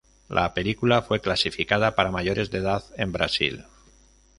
La película fue clasificada para "mayores de edad" en Brasil.